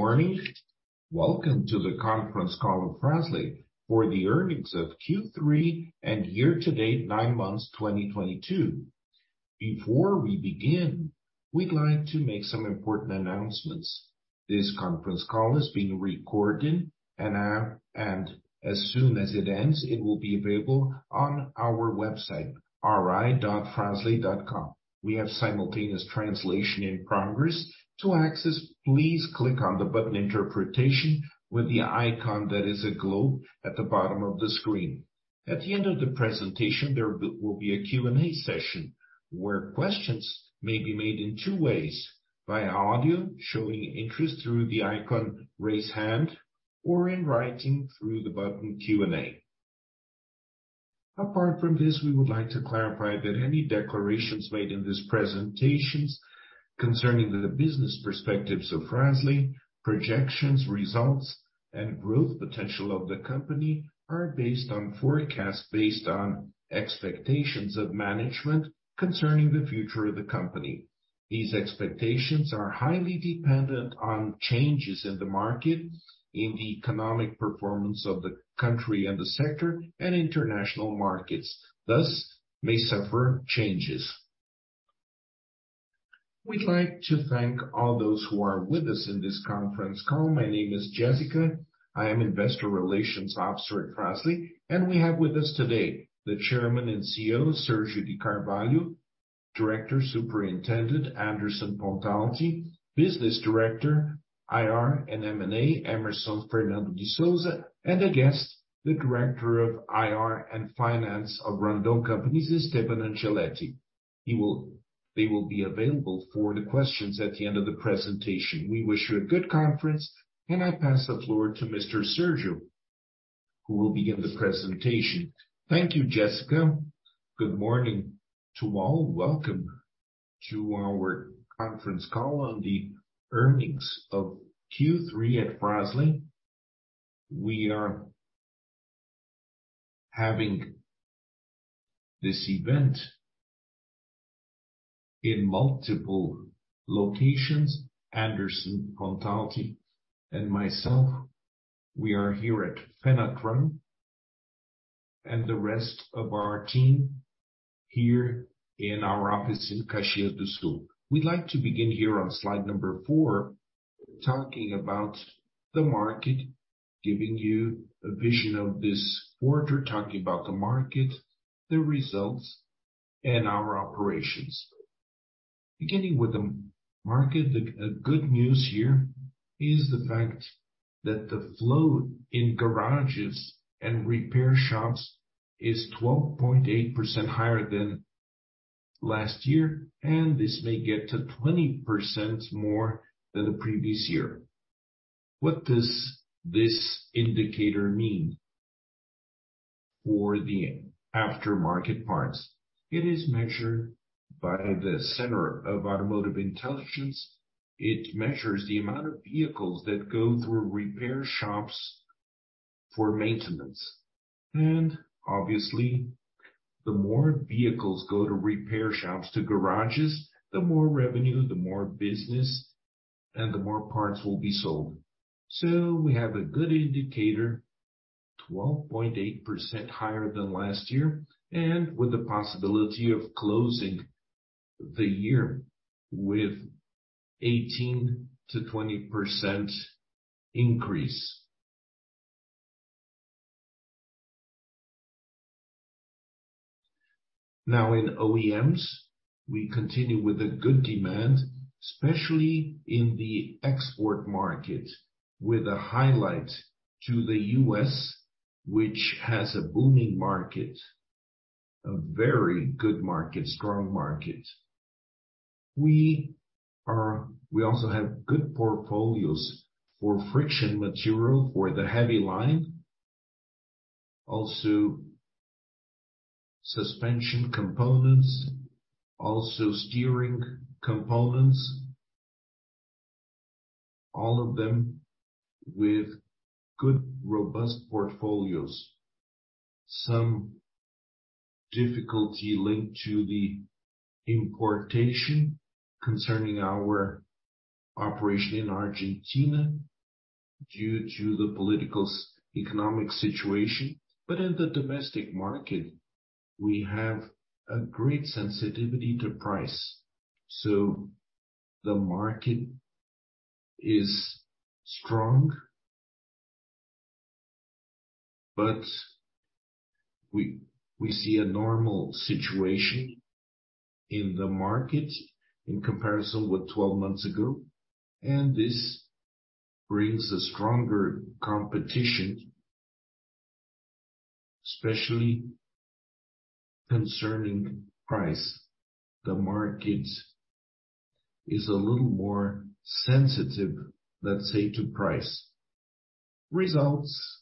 Good morning. Welcome to the conference call of Fras-le for the Earnings of Q3 and year to date 9 months 2022. Before we begin, we'd like to make some important announcements. This conference call is being recorded and as soon as it ends, it will be available on our website, ri.fras-le.com.br. We have simultaneous translation in progress. To access, please click on the button Interpretation with the icon that is a globe at the bottom of the screen. At the end of the presentation, there will be a Q&A session where questions may be made in two ways. Via audio, showing interest through the icon Raise Hand, or in writing through the button Q&A. Apart from this, we would like to clarify that any declarations made in these presentations concerning the business perspectives of Fras-le projections, results, and growth potential of the company are based on forecasts, based on expectations of management concerning the future of the company. These expectations are highly dependent on changes in the market, in the economic performance of the country and the sector, and international markets, thus may suffer changes. We'd like to thank all those who are with us in this conference call. My name is Jessica. I am Investor Relations Officer at Fras-le, and we have with us today the Chairman and CEO, Sérgio L. Carvalho, Superintendent Director, Anderson Pontalti, Business Director, IR and M&A, Hemerson de Souza, and a guest, the Director of IR and Finance of Randon Companies, Esteban Angeletti. They will be available for the questions at the end of the presentation. We wish you a good conference, and I pass the floor to Mr. Sérgio, who will begin the presentation. Thank you, Jessica. Good morning to all. Welcome to our conference call on the earnings of Q3 at Fras-le. We are having this event in multiple locations. Anderson Pontalti and myself, we are here at Fenatran, and the rest of our team here in our office in Caxias do Sul. We'd like to begin here on slide number four, talking about the market, giving you a vision of this quarter, talking about the market, the results and our operations. Beginning with the market, the good news here is the fact that the flow in garages and repair shops is 12.8% higher than last year, and this may get to 20% more than the previous year. What does this indicator mean for the aftermarket parts? It is measured by the Center of Automotive Intelligence. It measures the amount of vehicles that go through repair shops for maintenance. Obviously, the more vehicles go to repair shops, to garages, the more revenue, the more business, and the more parts will be sold. We have a good indicator, 12.8% higher than last year, and with the possibility of closing the year with 18%-20% increase. Now, in OEMs, we continue with a good demand, especially in the export market, with a highlight to the U.S., which has a booming market, a very good market, strong market. We also have good portfolios for friction material for the heavy line, also suspension components, also steering components, all of them with good, robust portfolios. Some difficulty linked to the importation concerning our operation in Argentina due to the political economic situation. In the domestic market, we have a great sensitivity to price. The market is strong, but we see a normal situation in the market in comparison with 12 months ago, and this brings a stronger competition, especially concerning price. The market is a little more sensitive, let's say, to price. Results.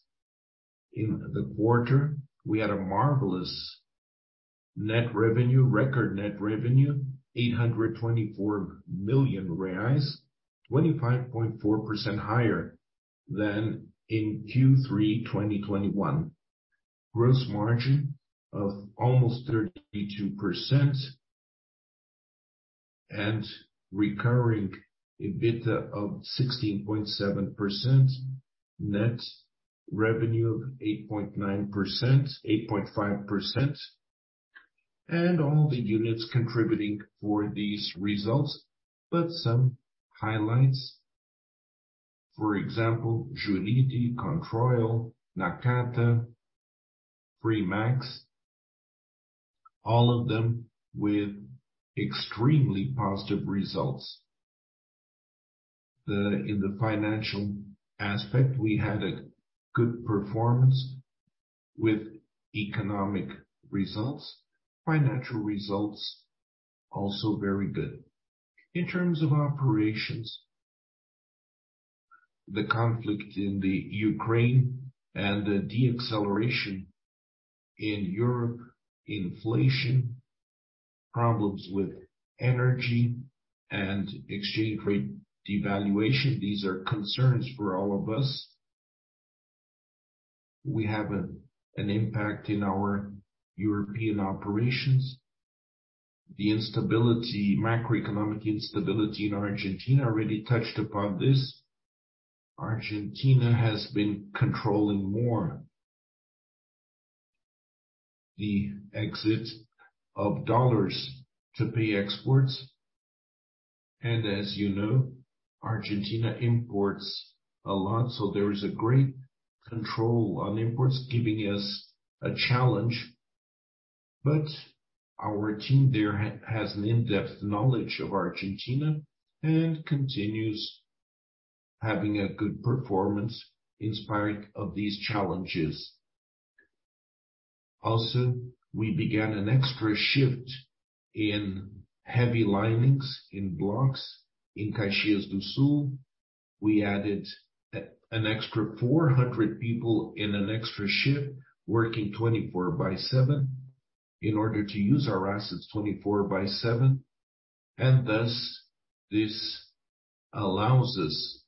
In the quarter, we had a marvelous net revenue, record net revenue, 824 million reais, 25.4% higher than in Q3 2021. Gross margin of almost 32%. Recurring EBITDA of 16.7%. Net revenue of 8.9%-8.5%. All the units contributing for these results. Some highlights, for example, JUNITI, Controil, Nakata, Fremax, all of them with extremely positive results. In the financial aspect, we had a good performance with economic results. Financial results also very good. In terms of operations, the conflict in Ukraine and the deceleration in Europe, inflation, problems with energy and exchange rate devaluation, these are concerns for all of us. We have an impact in our European operations. Macroeconomic instability in Argentina, already touched upon this. Argentina has been controlling more the exit of dollars to pay exports. As you know, Argentina imports a lot, so there is a great control on imports, giving us a challenge. Our team there has an in-depth knowledge of Argentina and continues having a good performance in spite of these challenges. Also, we began an extra shift in heavy linings in blocks in Caxias do Sul. We added an extra 400 people in an extra shift, working 24/7, in order to use our assets 24/7. Thus, this allows us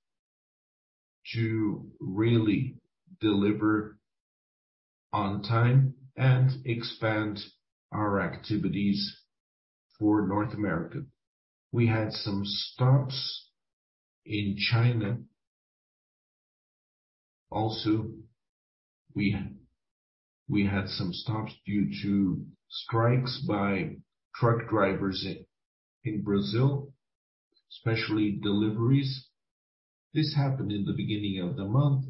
to really deliver on time and expand our activities for North America. We had some stops in China. Also, we had some stops due to strikes by truck drivers in Brazil, especially deliveries. This happened in the beginning of the month.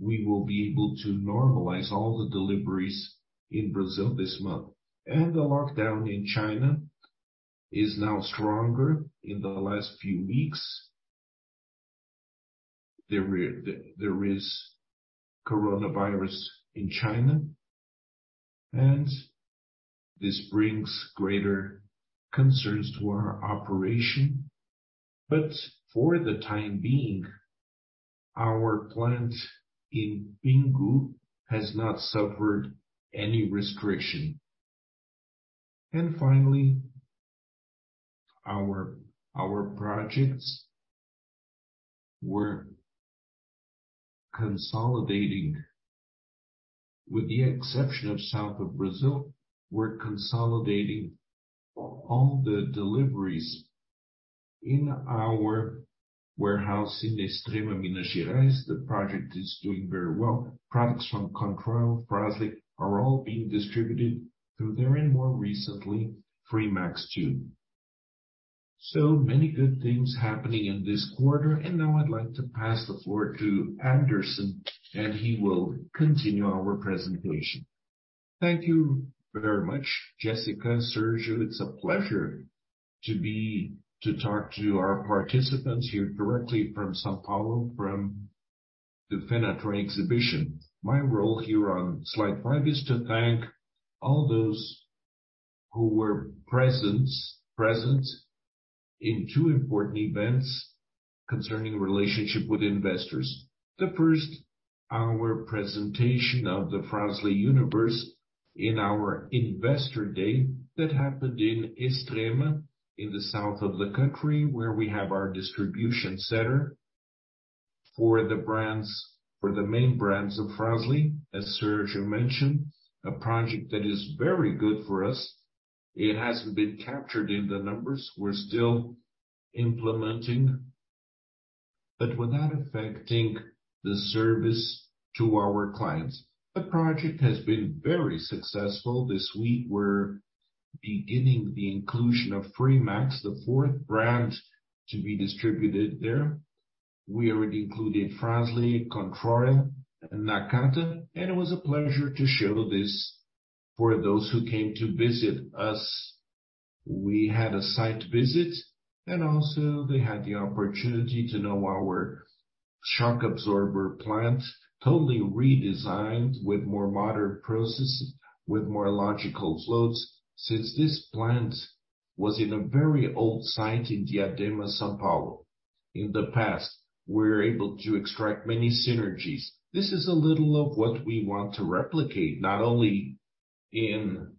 We believe that we will be able to normalize all the deliveries in Brazil this month. The lockdown in China is now stronger in the last few weeks. There is coronavirus in China, and this brings greater concerns to our operation. For the time being, our plant in Pinghu has not suffered any restriction. Finally, our projects, we're consolidating, with the exception of south of Brazil, we're consolidating all the deliveries in our warehouse in Extrema, Minas Gerais. The project is doing very well. Products from Controil, Fras-le are all being distributed through there, and more recently, Fremax too. Many good things happening in this quarter. Now I'd like to pass the floor to Anderson and he will continue our presentation. Thank you very much, Jessica, Sérgio. It's a pleasure to talk to our participants here directly from São Paulo, from the Fenatran exhibition. My role here on slide five is to thank all those who were present in two important events concerning relationship with investors. The first, our presentation of the Fras-le universe in our investor day that happened in Extrema, in the south of the country, where we have our distribution center for the main brands of Fras-le. As Sérgio mentioned, a project that is very good for us. It hasn't been captured in the numbers, we're still implementing, but without affecting the service to our clients. The project has been very successful. This week we're beginning the inclusion of Fremax, the fourth brand to be distributed there. We already included Fras-le, Controil, Nakata, and it was a pleasure to show this for those who came to visit us. We had a site visit, and also they had the opportunity to know our shock absorber plant, totally redesigned with more modern processes, with more logical flows. Since this plant was in a very old site in Diadema, São Paulo. In the past, we're able to extract many synergies. This is a little of what we want to replicate, not only in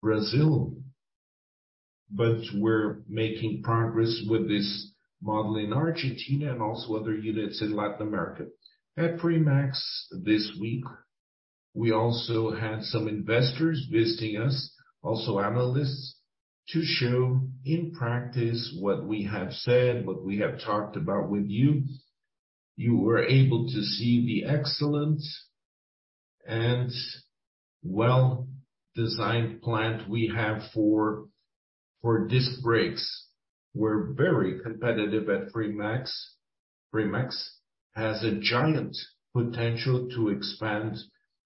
Brazil. We're making progress with this model in Argentina and also other units in Latin America. At Fremax this week, we also had some investors visiting us, also analysts, to show in practice what we have said, what we have talked about with you. You were able to see the excellence and well-designed plant we have for disc brakes. We're very competitive at Fremax. Fremax has a giant potential to expand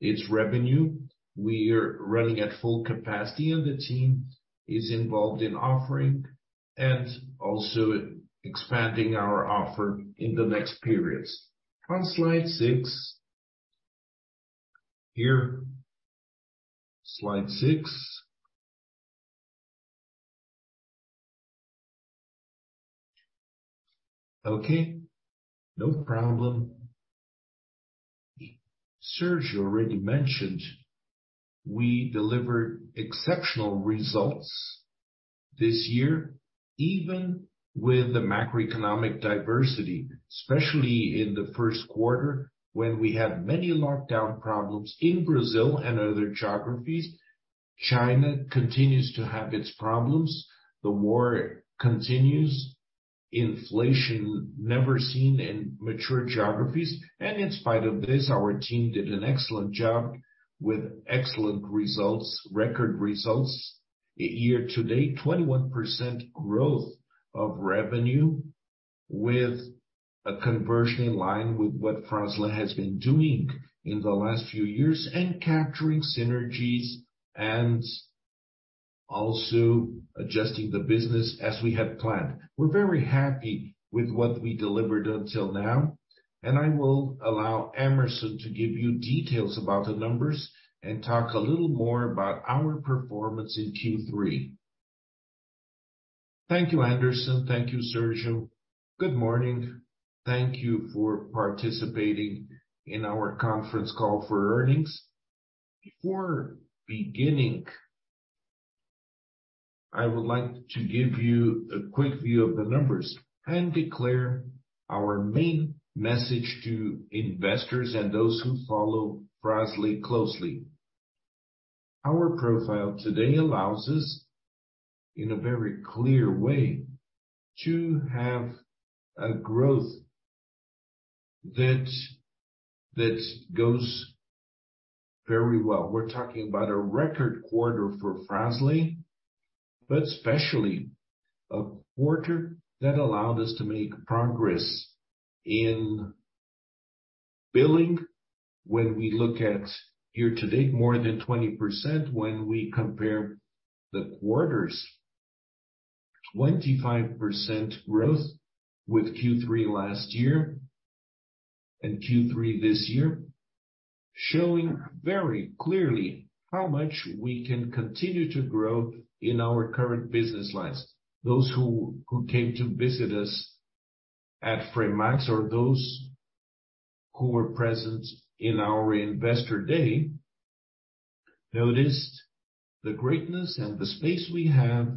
its revenue. We are running at full capacity, and the team is involved in offering and also expanding our offer in the next periods. On slide six. Here, slide six. Okay, no problem. Sérgio already mentioned we delivered exceptional results this year, even with the macroeconomic adversity, especially in the first quarter, when we had many lockdown problems in Brazil and other geographies. China continues to have its problems. The war continues. Inflation never seen in mature geographies. In spite of this, our team did an excellent job with excellent results, record results. Year to date, 21% growth of revenue with a conversion in line with what Fras-le has been doing in the last few years, and capturing synergies and also adjusting the business as we had planned. We're very happy with what we delivered until now, and I will allow Hemerson to give you details about the numbers and talk a little more about our performance in Q3. Thank you, Anderson. Thank you, Sérgio. Good morning. Thank you for participating in our conference call for earnings. Before beginning, I would like to give you a quick view of the numbers and declare our main message to investors and those who follow Fras-le closely. Our profile today allows us, in a very clear way, to have a growth that goes very well. We're talking about a record quarter for Fras-le, but especially a quarter that allowed us to make progress in billing when we look at year-to-date, more than 20% when we compare the quarters. 25% growth with Q3 last year and Q3 this year, showing very clearly how much we can continue to grow in our current business lines. Those who came to visit us at Fremax or those who were present in our Investor Day noticed the greatness and the space we have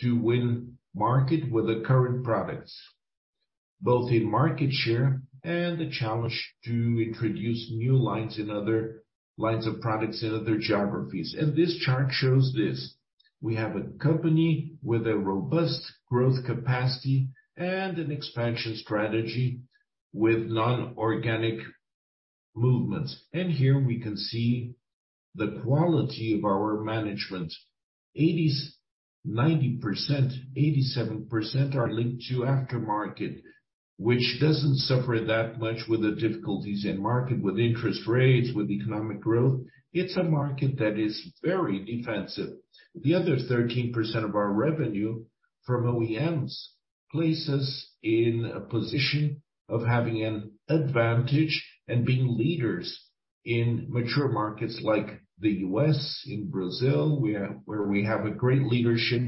to win market with the current products, both in market share and the challenge to introduce new lines in other lines of products in other geographies. This chart shows this. We have a company with a robust growth capacity and an expansion strategy with non-organic movements. Here we can see the quality of our management. 87% are linked to aftermarket, which doesn't suffer that much with the difficulties in market, with interest rates, with economic growth. It's a market that is very defensive. The other 13% of our revenue from OEMs places us in a position of having an advantage and being leaders in mature markets like the U.S., in Brazil, where we have a great leadership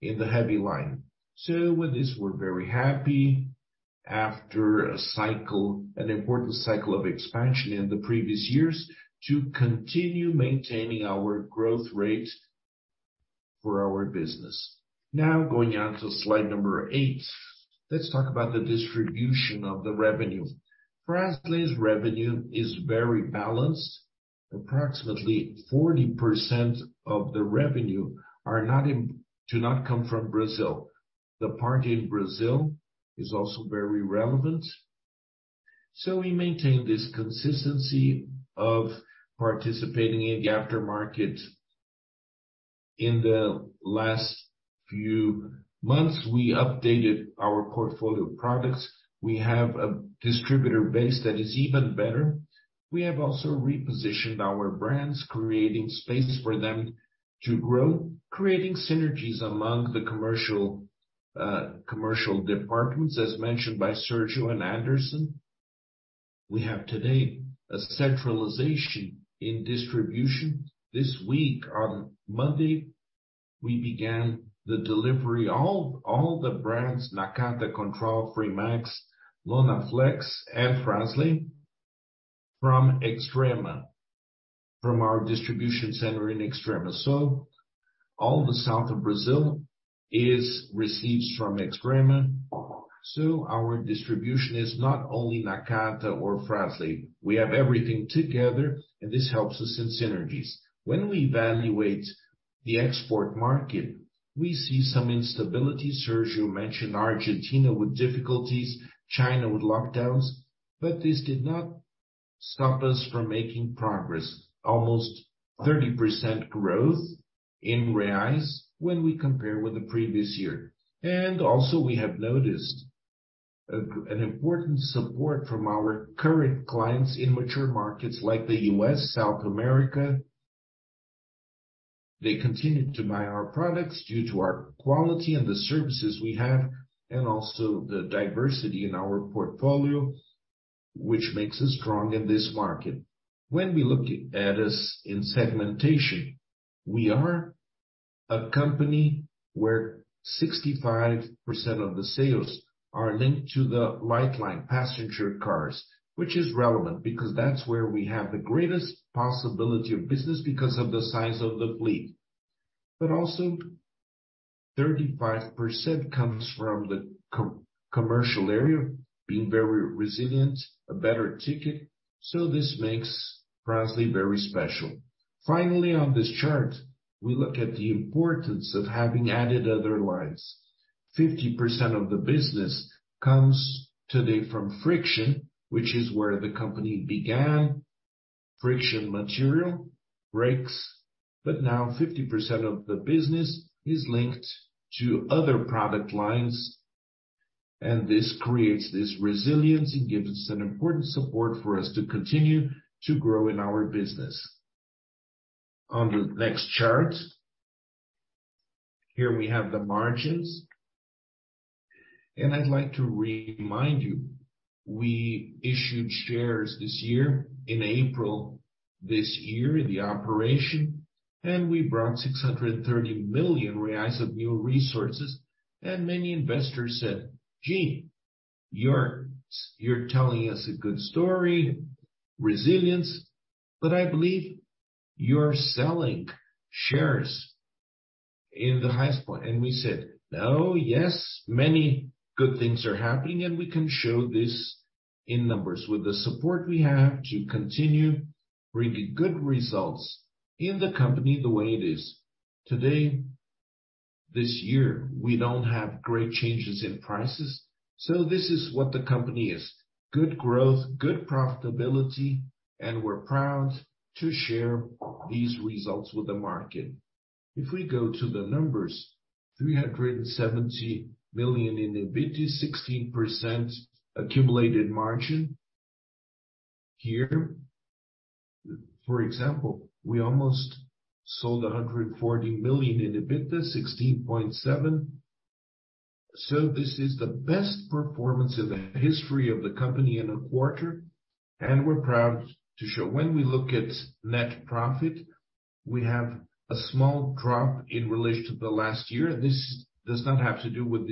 in the heavy line. With this, we're very happy after a cycle, an important cycle of expansion in the previous years, to continue maintaining our growth rate for our business. Now going on to slide number eight. Let's talk about the distribution of the revenue. Fras-le's revenue is very balanced. Approximately 40% of the revenue do not come from Brazil. The part in Brazil is also very relevant. We maintain this consistency of participating in the aftermarket. In the last few months, we updated our portfolio products. We have a distributor base that is even better. We have also repositioned our brands, creating space for them to grow, creating synergies among the commercial departments, as mentioned by Sérgio and Anderson. We have today a centralization in distribution. This week on Monday, we began the delivery all the brands, Nakata, Controil, Fremax, Lonaflex, and Fras-le. From Extrema, from our distribution center in Extrema. All the south of Brazil is received from Extrema. Our distribution is not only Nakata or Fras-le. We have everything together, and this helps us in synergies. When we evaluate the export market, we see some instability. Sérgio mentioned Argentina with difficulties, China with lockdowns, but this did not stop us from making progress. Almost 30% growth in reais when we compare with the previous year. Also we have noticed an important support from our current clients in mature markets like the U.S., South America. They continue to buy our products due to our quality and the services we have, and also the diversity in our portfolio, which makes us strong in this market. When we look at us in segmentation, we are a company where 65% of the sales are linked to the light line passenger cars, which is relevant because that's where we have the greatest possibility of business because of the size of the fleet. Also 35 percent comes from the commercial area being very resilient, a better ticket. This makes Fras-le very special. Finally, on this chart, we look at the importance of having added other lines. 50% of the business comes today from friction, which is where the company began, friction material, brakes. Now 50% of the business is linked to other product lines, and this creates this resilience and gives an important support for us to continue to grow in our business. On the next chart, here we have the margins. I'd like to remind you, we issued shares this year, in April this year, the operation, and we brought 630 million reais of new resources. Many investors said, "Gene, you're telling us a good story, resilience, but I believe you're selling shares in the highest point." We said, "No. Yes, many good things are happening, and we can show this in numbers. With the support we have to continue bringing good results in the company the way it is." Today, this year, we don't have great changes in prices, so this is what the company is. Good growth, good profitability, and we're proud to share these results with the market. If we go to the numbers, 370 million in EBITDA, 16% accumulated margin. Here, for example, we almost sold 140 million in EBITDA, 16.7%. This is the best performance in the history of the company in a quarter, and we're proud to show. When we look at net profit, we have a small drop in relation to the last year. This does not have to do with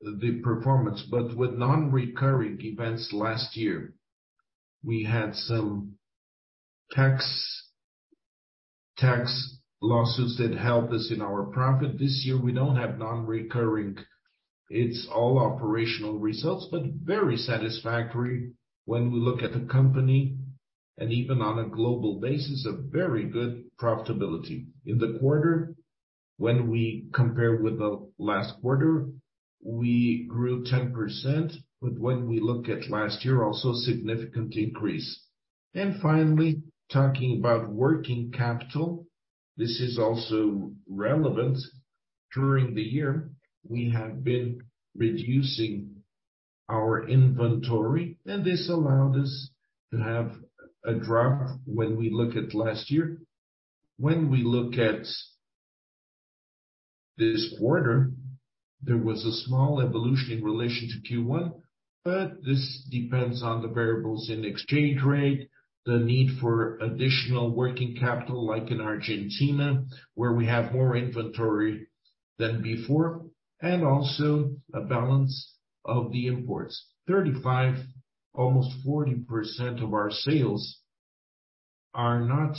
the performance, but with non-recurring events last year. We had some tax lawsuits that helped us in our profit. This year, we don't have non-recurring. It's all operational results, but very satisfactory when we look at the company, and even on a global basis, a very good profitability. In the quarter, when we compare with the last quarter, we grew 10%, but when we look at last year, also significant increase. Finally, talking about working capital, this is also relevant. During the year, we have been reducing our inventory, and this allowed us to have a drop when we look at last year. When we look at this quarter, there was a small evolution in relation to Q1, but this depends on the variables in exchange rate, the need for additional working capital, like in Argentina, where we have more inventory than before, and also a balance of the imports. 35, almost 40% of our sales are not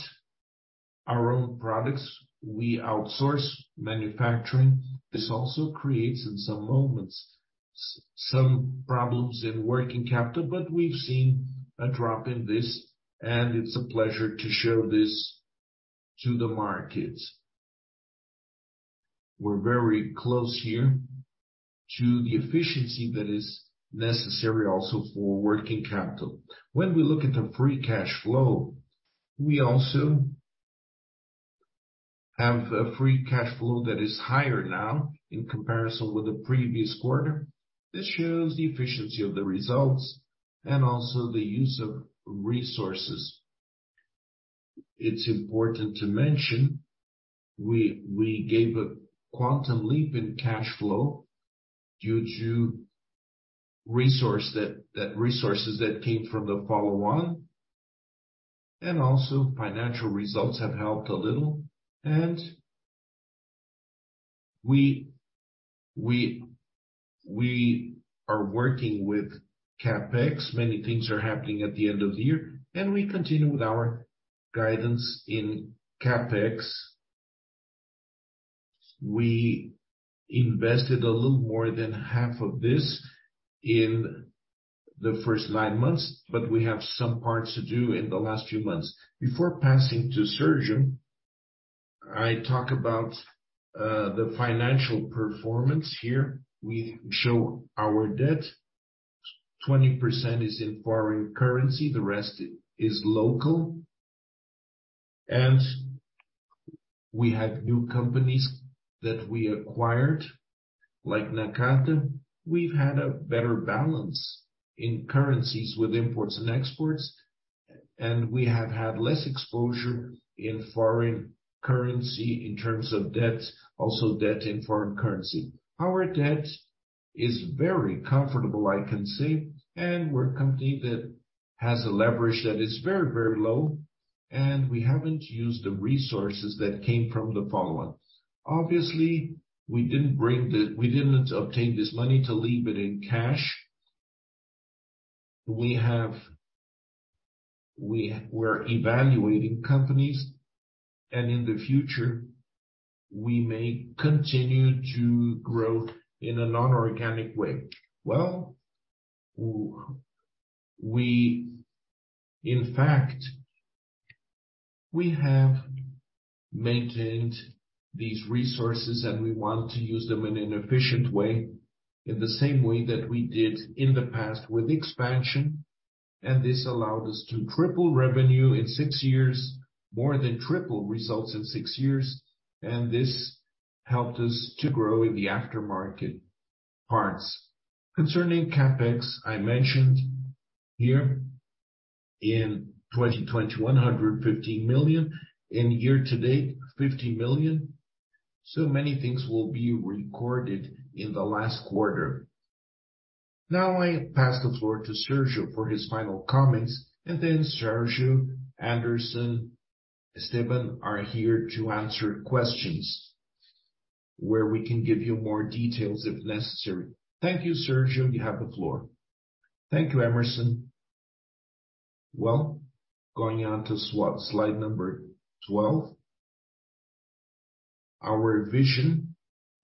our own products. We outsource manufacturing. This also creates, in some moments, some problems in working capital, but we've seen a drop in this, and it's a pleasure to show this to the markets. We're very close here to the efficiency that is necessary also for working capital. When we look at the free cash flow, we also have a free cash flow that is higher now in comparison with the previous quarter. This shows the efficiency of the results and also the use of resources. It's important to mention, we gave a quantum leap in cash flow due to resources that came from the follow-on, and also financial results have helped a little. We are working with CapEx. Many things are happening at the end of the year, and we continue with our guidance in CapEx. We invested a little more than half of this in the first nine months, but we have some parts to do in the last few months. Before passing to Sérgio, I talk about the financial performance here. We show our debt. 20% is in foreign currency, the rest is local. We have new companies that we acquired, like Nakata. We've had a better balance in currencies with imports and exports, and we have had less exposure in foreign currency in terms of debt, also debt in foreign currency. Our debt is very comfortable, I can say, and we're a company that has a leverage that is very, very low, and we haven't used the resources that came from the follow-on. Obviously, we didn't obtain this money to leave it in cash. We're evaluating companies, and in the future, we may continue to grow in a non-organic way. Well, in fact, we have maintained these resources and we want to use them in an efficient way, in the same way that we did in the past with expansion. This allowed us to triple revenue in six years, more than triple results in six years. This helped us to grow in the aftermarket parts. Concerning CapEx, I mentioned here in 2021, BRL 115 million. In year to date, BRL 50 million. Many things will be recorded in the last quarter. Now I pass the floor to Sérgio for his final comments, and then Sérgio, Anderson, Esteban are here to answer questions where we can give you more details if necessary. Thank you, Sérgio. You have the floor. Thank you, Hemerson. Well, going on to slide number 12. Our vision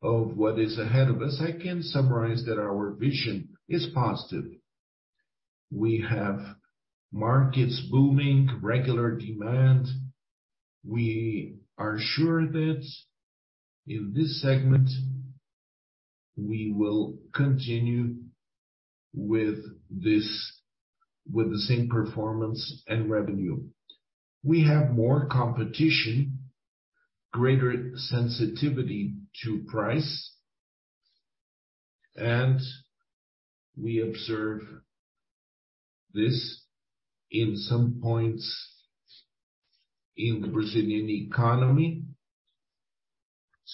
of what is ahead of us, I can summarize that our vision is positive. We have markets booming, regular demand. We are sure that in this segment, we will continue with this, with the same performance and revenue. We have more competition, greater sensitivity to price, and we observe this in some points in the Brazilian economy.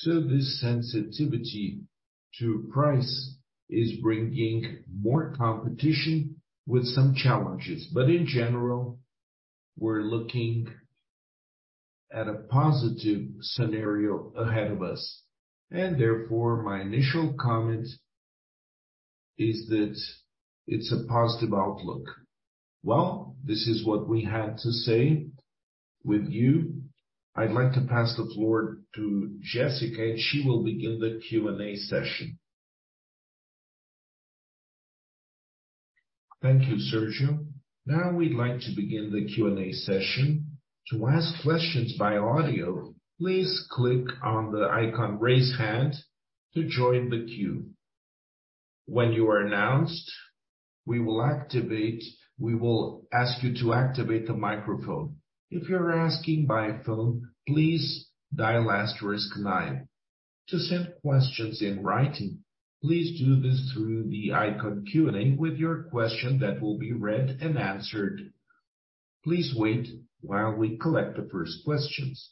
This sensitivity to price is bringing more competition with some challenges. In general, we're looking at a positive scenario ahead of us. Therefore, my initial comment is that it's a positive outlook. Well, this is what we had to say with you. I'd like to pass the floor to Jessica, and she will begin the Q&A session. Thank you, Sérgio. Now we'd like to begin the Q&A session. To ask questions by audio, please click on the icon, raise hand to join the queue. When you are announced, we will ask you to activate the microphone. If you're asking by phone, please dial asterisk nine. To send questions in writing, please do this through the icon Q&A with your question that will be read and answered. Please wait while we collect the first questions.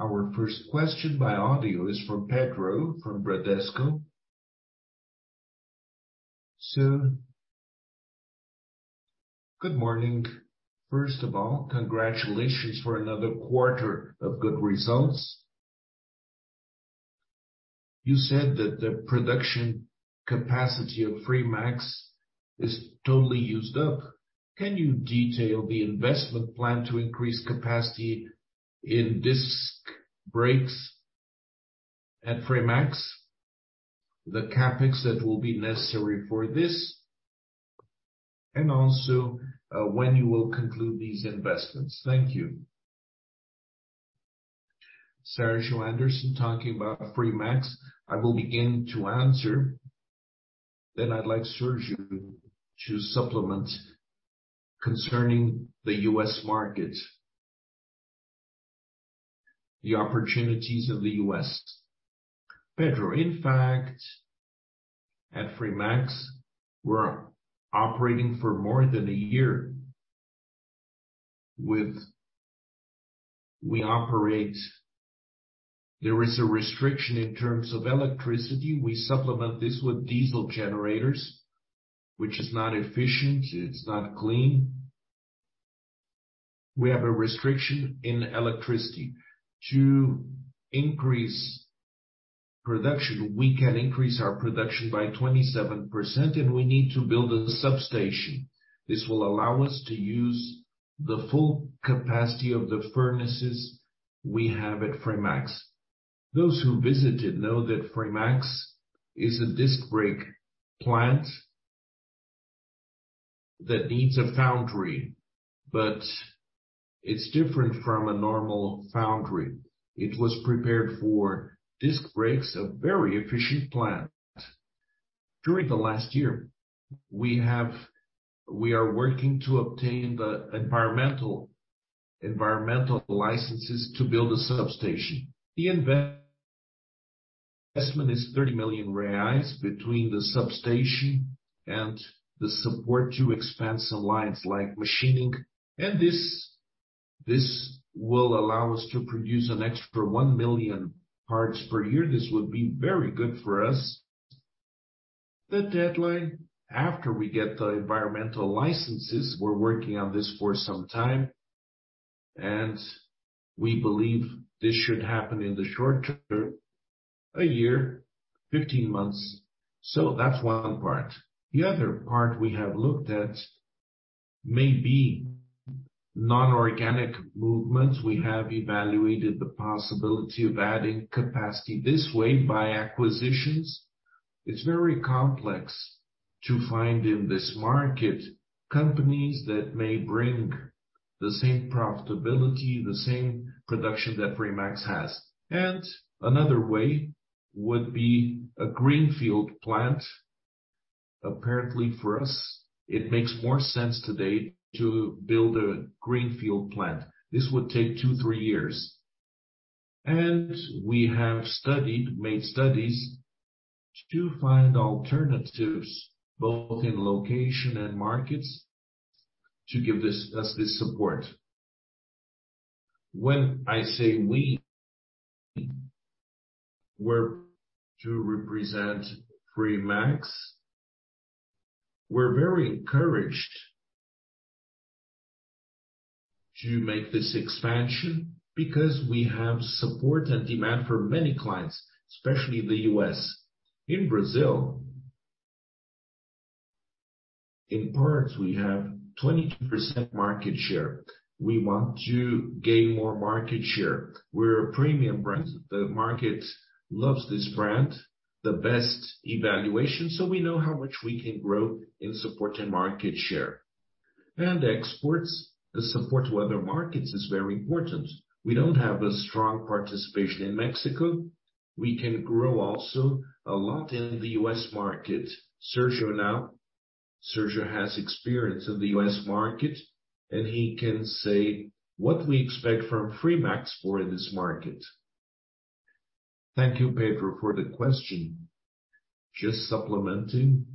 Our first question by audio is from Pedro from Bradesco. Good morning. First of all, congratulations for another quarter of good results. You said that the production capacity of Fremax is totally used up. Can you detail the investment plan to increase capacity in disc brakes at Fremax, the CapEx that will be necessary for this, and also, when you will conclude these investments? Thank you. Sérgio, Anderson, talking about Fremax. I will begin to answer, then I'd like Sérgio to supplement concerning the US market, the opportunities of the US. Pedro, in fact, at Fremax, we're operating for more than a year. There is a restriction in terms of electricity. We supplement this with diesel generators, which is not efficient, it's not clean. We have a restriction in electricity. To increase production, we can increase our production by 27%, and we need to build a substation. This will allow us to use the full capacity of the furnaces we have at Fremax. Those who visited know that Fremax is a disc brake plant that needs a foundry, but it's different from a normal foundry. It was prepared for disc brakes, a very efficient plant. During the last year, we are working to obtain the environmental licenses to build a substation. The investment is 30 million reais between the substation and the support to expand some lines like machining. This will allow us to produce an extra 1 million parts per year. This would be very good for us. The deadline after we get the environmental licenses, we're working on this for some time, and we believe this should happen in the short term, a year, 15 months. That's one part. The other part we have looked at may be non-organic movements. We have evaluated the possibility of adding capacity this way by acquisitions. It's very complex to find in this market companies that may bring the same profitability, the same production that Fremax has. Another way would be a greenfield plant. Apparently, for us, it makes more sense today to build a greenfield plant. This would take 2-3 years. We have studied, made studies to find alternatives, both in location and markets, to give us this support. When I say we're to represent Fremax. We're very encouraged to make this expansion because we have support and demand from many clients, especially in the U.S. In Brazil, in parts, we have 22% market share. We want to gain more market share. We're a premium brand. The market loves this brand, the best evaluation, so we know how much we can grow in support and market share. Exports, the support to other markets is very important. We don't have a strong participation in Mexico. We can grow also a lot in the U.S. market. Sérgio now, Sérgio has experience in the U.S. market, and he can say what we expect from Fremax for this market. Thank you, Pedro, for the question. Just supplementing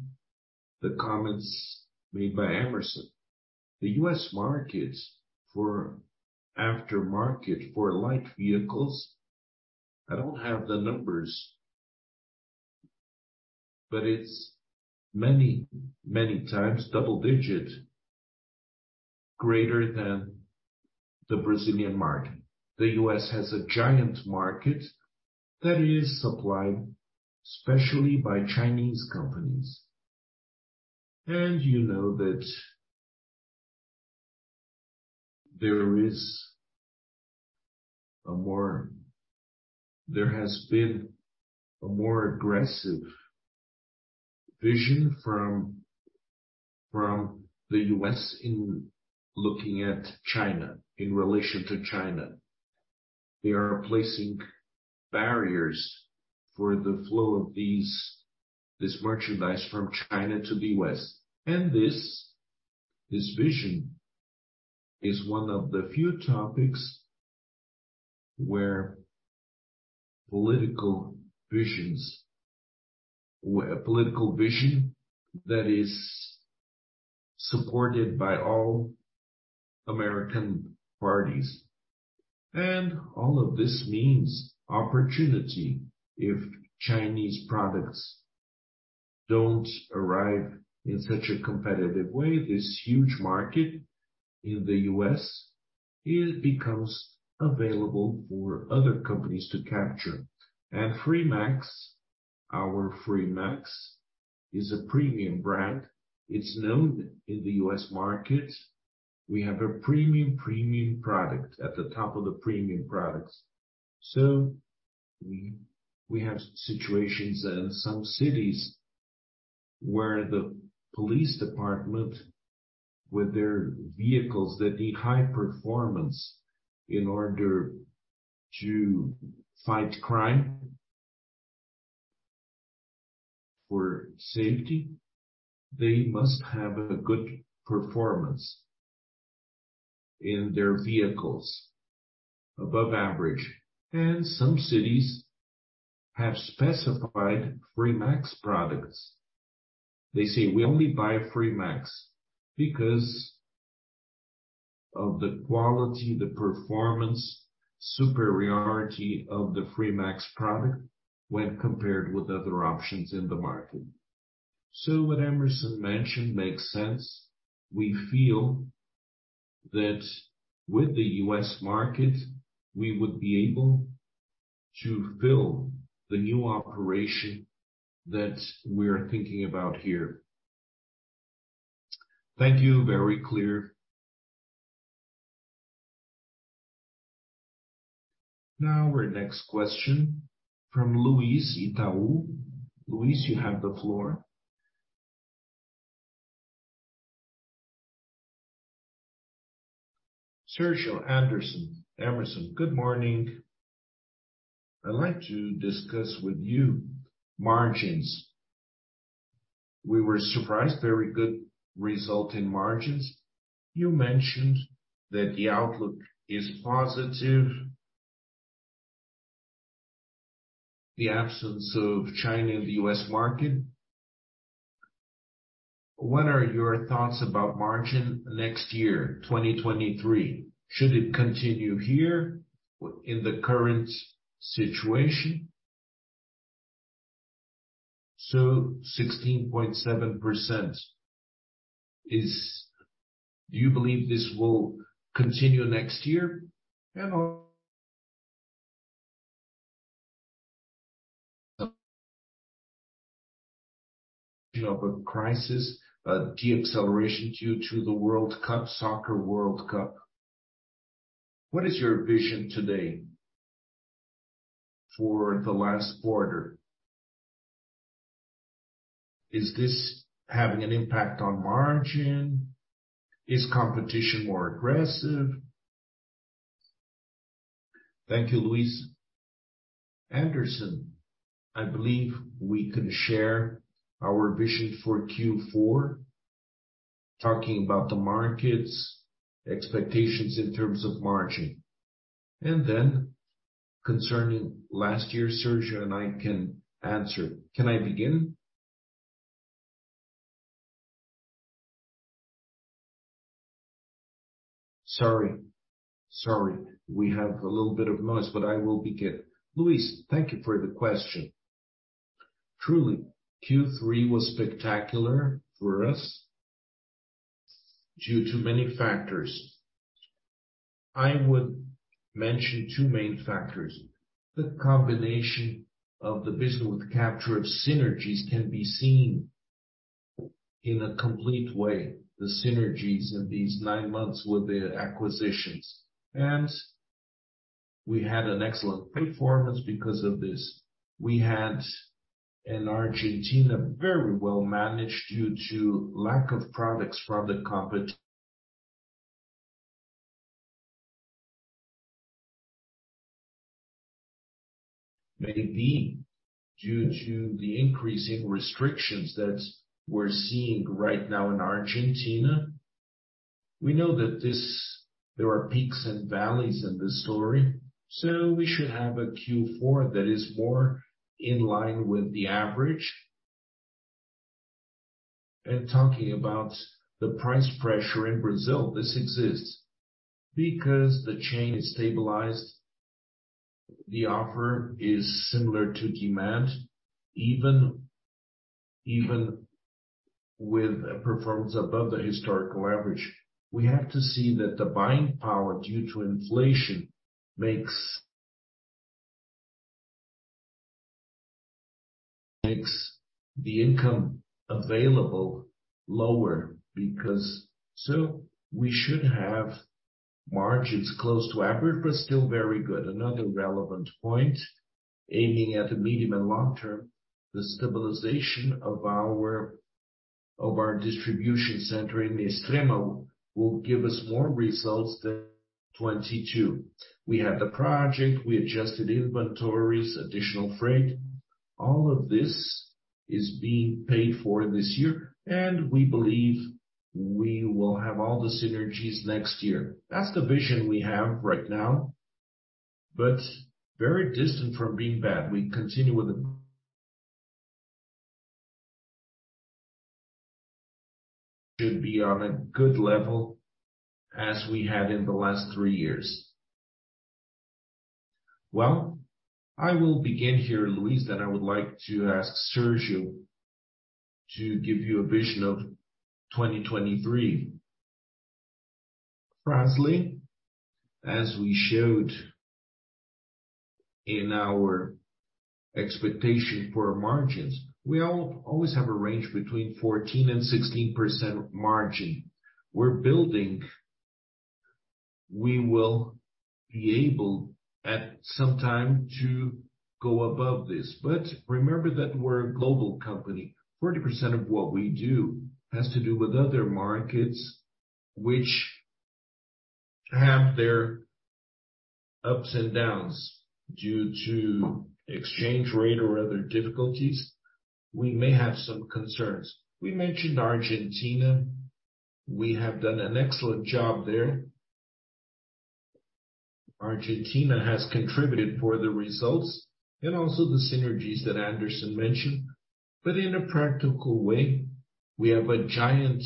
the comments made by Hemerson. The U.S. market for aftermarket, for light vehicles, I don't have the numbers, but it's many, many times double digit greater than the Brazilian market. The U.S. has a giant market that is supplied especially by Chinese companies. You know that there has been a more aggressive vision from the U.S. in looking at China, in relation to China. They are placing barriers for the flow of this merchandise from China to the U.S. This vision is one of the few topics where a political vision that is supported by all American parties. All of this means opportunity. If Chinese products don't arrive in such a competitive way, this huge market in the U.S., it becomes available for other companies to capture. Fremax, our Fremax is a premium brand. It's known in the U.S. market. We have a premium product at the top of the premium products. We have situations in some cities where the police department with their vehicles that need high performance in order to fight crime for safety, they must have a good performance in their vehicles above average. Some cities have specified Fremax products. They say, "We only buy Fremax because of the quality, the performance, superiority of the Fremax product when compared with other options in the market." What Hemerson mentioned makes sense. We feel that with the US market, we would be able to fill the new operation that we are thinking about here. Thank you. Very clear. Now our next question from Luis Itaú. Luis, you have the floor. Sérgio Anderson, Hemerson, good morning. I'd like to discuss with you margins. We were surprised, very good result in margins. You mentioned that the outlook is positive. The absence of China in the US market. What are your thoughts about margin next year, 2023? Should it continue here in the current situation? Sixteen point seven percent is—do you believe this will continue next year? Or a crisis, a deceleration due to the World Cup, Soccer World Cup. What is your vision today for the last quarter? Is this having an impact on margin? Is competition more aggressive? Thank you, Luis. Anderson, I believe we can share our vision for Q4, talking about the market's expectations in terms of margin. Concerning last year, Sérgio and I can answer. Can I begin? Sorry. We have a little bit of noise, but I will begin. Luis, thank you for the question. Truly, Q3 was spectacular for us due to many factors. I would mention two main factors. The combination of the business with the capture of synergies can be seen in a complete way, the synergies in these nine months with the acquisitions. We had an excellent performance because of this. We had in Argentina, very well managed. Maybe due to the increasing restrictions that we're seeing right now in Argentina. We know that this, there are peaks and valleys in this story, so we should have a Q4 that is more in line with the average. Talking about the price pressure in Brazil, this exists because the chain is stabilized. The offer is similar to demand, even with a performance above the historical average. We have to see that the buying power due to inflation makes the income available lower because. We should have margins close to average, but still very good. Another relevant point, aiming at the medium and long term, the stabilization of our distribution center in Extrema will give us more results than 2022. We had the project, we adjusted inventories, additional freight. All of this is being paid for this year, and we believe we will have all the synergies next year. That's the vision we have right now, but very distant from being bad. We continue. Should be on a good level as we had in the last three years. Well, I will begin here, Luis, then I would like to ask Sérgio to give you a vision of 2023. Firstly, as we showed in our expectation for margins, we always have a range between 14%-16% margin. We're building, we will be able at some time to go above this. But remember that we're a global company. 40% of what we do has to do with other markets which have their ups and downs due to exchange rate or other difficulties. We may have some concerns. We mentioned Argentina. We have done an excellent job there. Argentina has contributed for the results and also the synergies that Anderson mentioned. In a practical way, we have a giant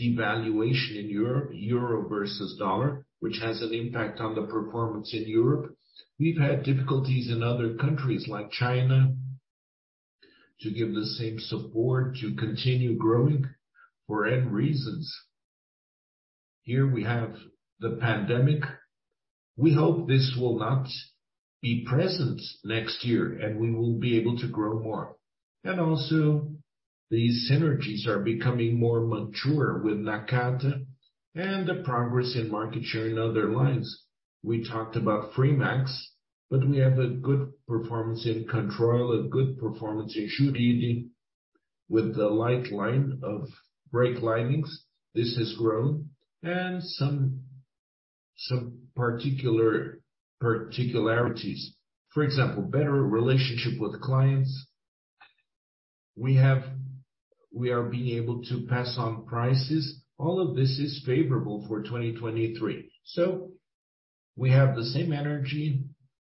devaluation in Europe, euro versus dollar, which has an impact on the performance in Europe. We've had difficulties in other countries like China to give the same support to continue growing for many reasons. Here we have the pandemic. We hope this will not be present next year and we will be able to grow more. Also these synergies are becoming more mature with Nakata and the progress in market share in other lines. We talked about Fremax, but we have a good performance in Controil, a good performance in Shoe DD with the light line of brake linings. This has grown and some particularities. For example, better relationship with clients. We are being able to pass on prices. All of this is favorable for 2023. We have the same energy,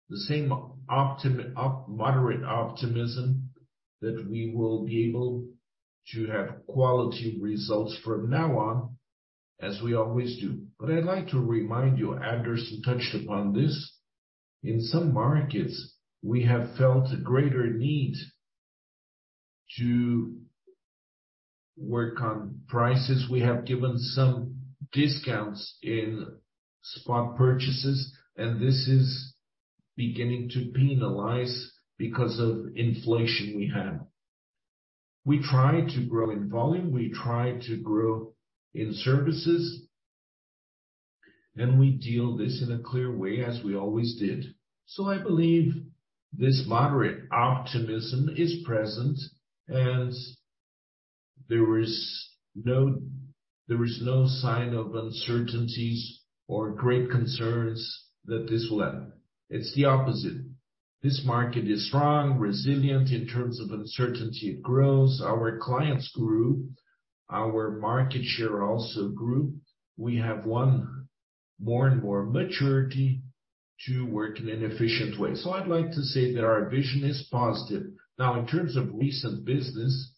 the same moderate optimism that we will be able to have quality results from now on as we always do. I'd like to remind you, Anderson touched upon this. In some markets, we have felt a greater need to work on prices. We have given some discounts in spot purchases, and this is beginning to penalize because of inflation we have. We try to grow in volume, we try to grow in services, and we deal this in a clear way as we always did. I believe this moderate optimism is present and there is no sign of uncertainties or great concerns that this will end. It's the opposite. This market is strong, resilient in terms of uncertainty it grows. Our clients grew, our market share also grew. We have won more and more maturity to work in an efficient way. I'd like to say that our vision is positive. Now, in terms of recent business,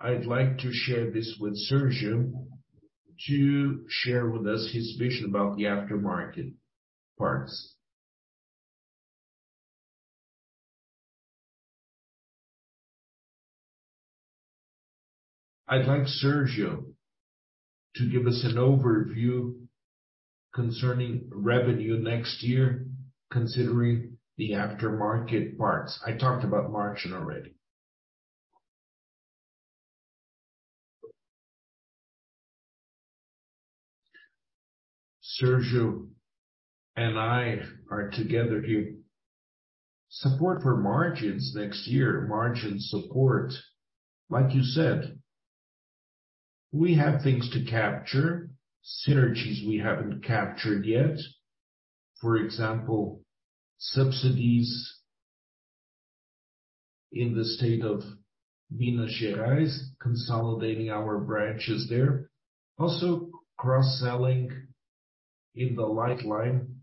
I'd like to share this with Sérgio to share with us his vision about the aftermarket parts. I'd like Sérgio to give us an overview concerning revenue next year, considering the aftermarket parts. I talked about margin already. Sérgio and I are together here. Support for margins next year, margin support, like you said, we have things to capture, synergies we haven't captured yet. For example, subsidies in the state of Minas Gerais, consolidating our branches there. Also cross-selling in the light line,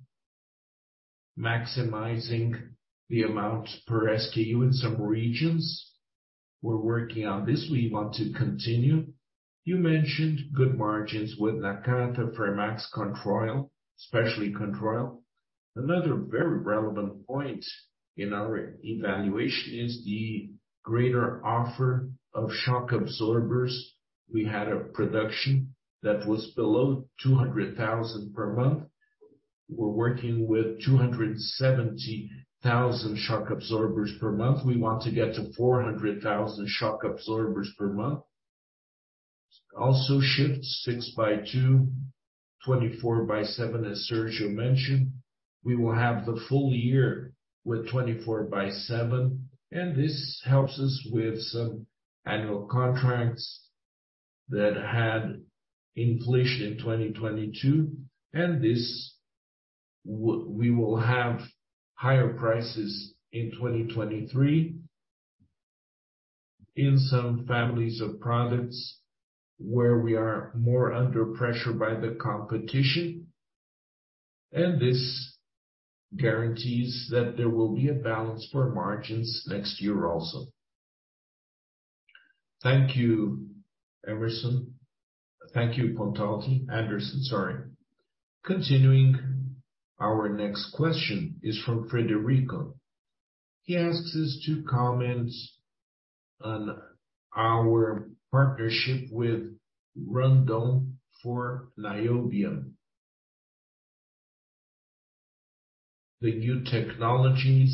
maximizing the amount per SKU in some regions. We're working on this. We want to continue. You mentioned good margins with Nakata, Fremax, Controil. Especially Controil. Another very relevant point in our evaluation is the greater offer of shock absorbers. We had a production that was below 200,000 per month. We're working with 270,000 shock absorbers per month. We want to get to 400,000 shock absorbers per month. Also shifts 6 by 2, 24 by 7, as Sérgio mentioned. We will have the full year with 24 by 7, and this helps us with some annual contracts that had inflation in 2022. This, we will have higher prices in 2023 in some families of products where we are more under pressure by the competition. This guarantees that there will be a balance for margins next year also. Thank you, Hemerson. Thank you, Pontalti. Anderson, sorry. Continuing, our next question is from Frederico. He asks us to comment on our partnership with Randon for niobium. The new technologies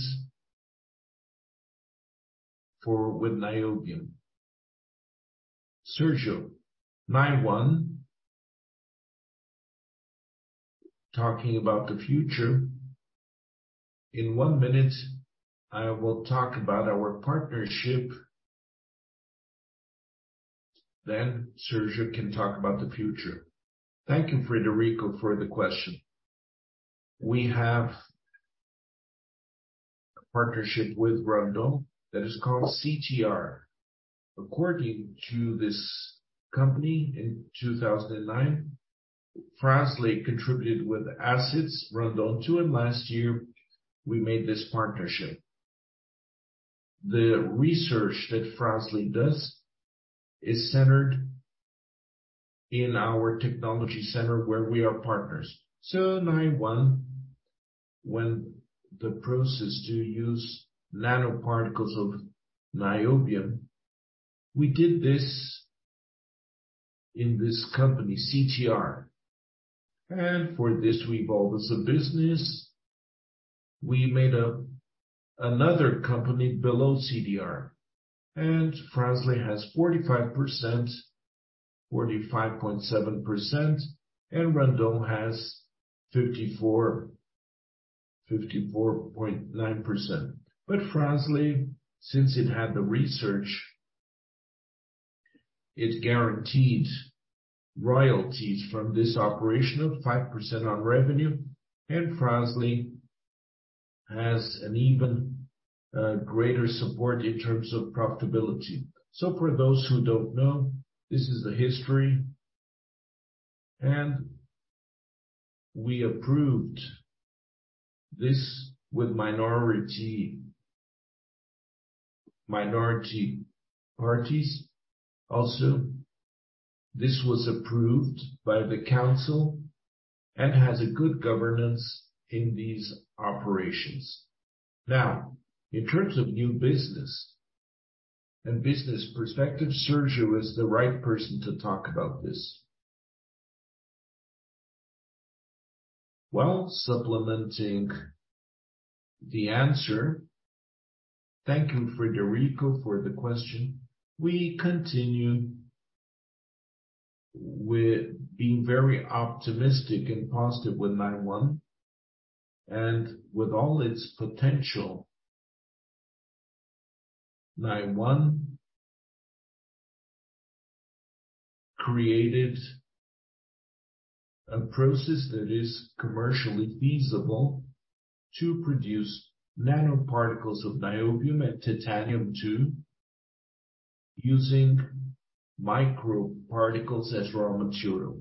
with niobium. Sérgio, this one. Talking about the future. In one minute, I will talk about our partnership, then Sérgio can talk about the future. Thank you, Frederico, for the question. We have a partnership with Randon that is called CTR. According to this company, in 2009, Fras-le contributed with assets Randon, too, and last year we made this partnership. The research that Fras-le does is centered in our technology center where we are partners. NIONE, when the process to use nanoparticles of niobium, we did this in this company, CTR. For this we evolved as a business. We made up another company below CTR, and Fras-le has 45%, 45.7%, and Randon has 54%, 54.9%. Fras-le, since it had the research, it guaranteed royalties from this operation of 5% on revenue. Fras-le has an even greater support in terms of profitability. For those who don't know, this is the history, and we approved this with minority parties also. This was approved by the council and has a good governance in these operations. Now, in terms of new business and business perspective, Sérgio is the right person to talk about this. While supplementing the answer, thank you, Frederico, for the question. We continue with being very optimistic and positive with NIONE. With all its potential, NIONE created a process that is commercially feasible to produce nanoparticles of niobium and titanium too, using microparticles as raw material.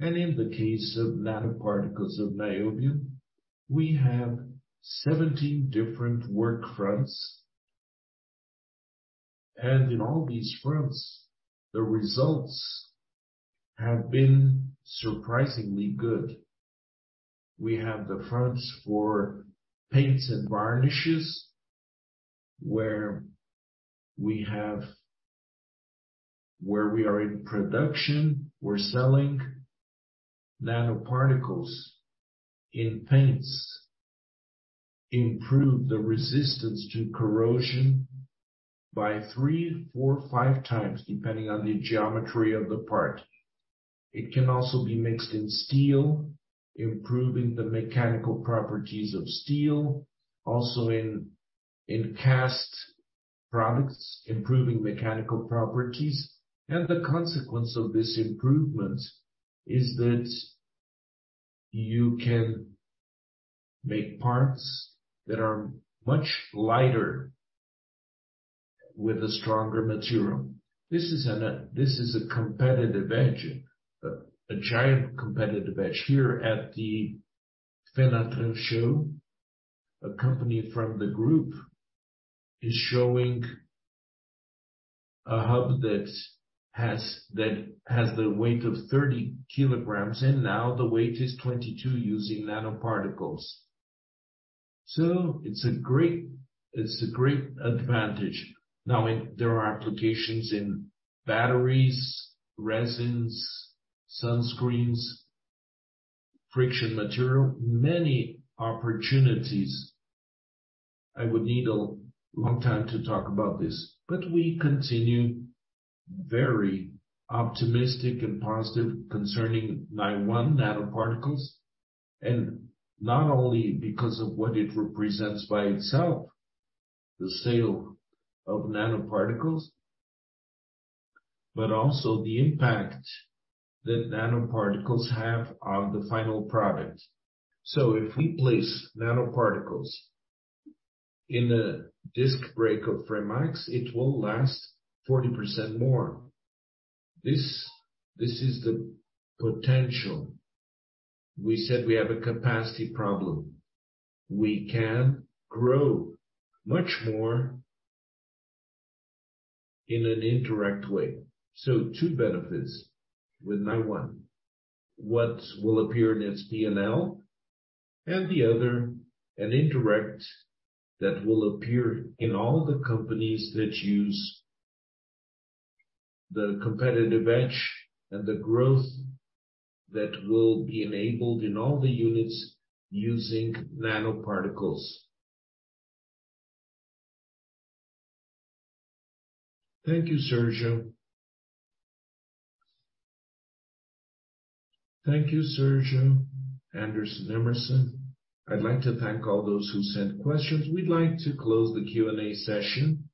In the case of nanoparticles of niobium, we have 17 different work fronts. In all these fronts, the results have been surprisingly good. We have the fronts for paints and varnishes, where we are in production, we're selling nanoparticles in paints, improve the resistance to corrosion by 3, 4, 5 times, depending on the geometry of the part. It can also be mixed in steel, improving the mechanical properties of steel, also in cast products, improving mechanical properties. The consequence of this improvement is that you can make parts that are much lighter with a stronger material. This is a competitive edge, a giant competitive edge. Here at the Fenatran show, a company from the group is showing a hub that has the weight of 30 kilograms, and now the weight is 22 using nanoparticles. It's a great advantage. There are applications in batteries, resins, sunscreens, friction material, many opportunities. I would need a long time to talk about this. We continue very optimistic and positive concerning NIONE nanoparticles, and not only because of what it represents by itself, the sale of nanoparticles, but also the impact that nanoparticles have on the final product. If we place nanoparticles in a disc brake of Fremax, it will last 40% more. This is the potential. We said we have a capacity problem. We can grow much more in an indirect way. Two benefits with NIONE. What will appear in P&L and the other, an indirect that will appear in all the companies that use the competitive edge and the growth that will be enabled in all the units using nanoparticles. Thank you, Sérgio. Thank you, Sérgio, Anderson, Hemerson. I'd like to thank all those who sent questions. We'd like to close the Q&A session,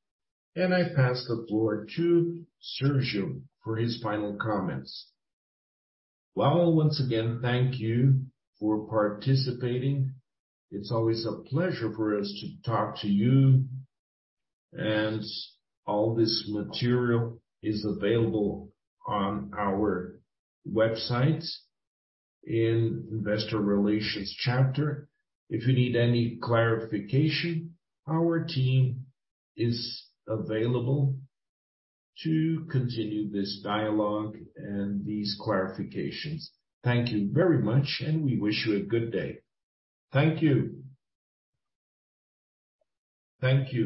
and I pass the floor to Sérgio for his final comments. Well, once again, thank you for participating. It's always a pleasure for us to talk to you. All this material is available on our website in Investor Relations chapter. If you need any clarification, our team is available to continue this dialogue and these clarifications. Thank you very much, and we wish you a good day. Thank you. Thank you.